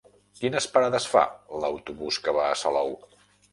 Quines parades fa l'autobús que va a Salou?